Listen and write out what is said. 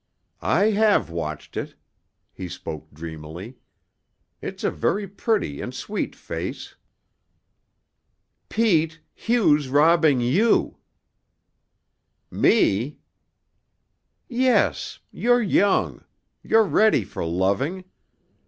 "I have watched it." He spoke dreamily. "It's a very pretty and sweet face." "Pete, Hugh's robbing you." "Me?" "Yes, you're young. You're ready for loving.